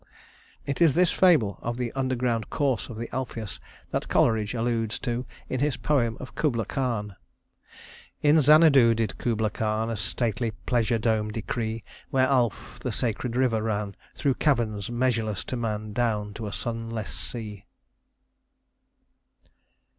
It is this fable of the underground course of the Alpheus that Coleridge alludes to in his poem of Kubla Khan: "In Xanadu did Kubla Khan A stately pleasure dome decree, Where Alph, the sacred river, ran Through caverns measureless to man, Down to a sunless sea."